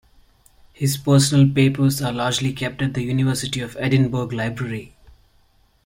His personal papers are largely kept at the University of Edinburgh library.